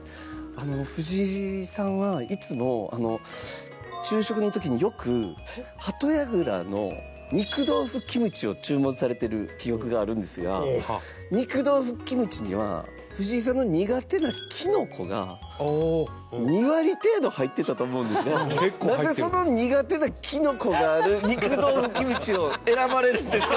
藤井さんは、いつも昼食の時によく、鳩やぐらの肉豆腐キムチを注文されてる記憶があるんですが肉豆腐キムチには藤井さんの苦手なきのこが２割程度入ってたと思うんですがなぜ、その苦手なきのこがある肉豆腐キムチを選ばれるんですか？